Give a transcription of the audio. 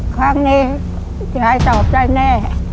ครั้งนี้ยายสอบใจแน่